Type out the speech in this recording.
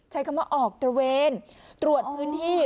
ใช้คำว่าออกตระเวนตรวจพื้นที่